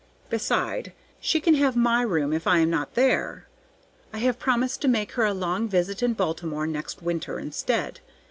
Beside, she can have my room if I am not there. I have promised to make her a long visit in Baltimore next winter instead.